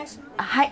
・はい。